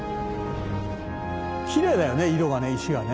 きれいだよね色がね石がね。